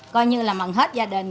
coi như là mặn hết gia đình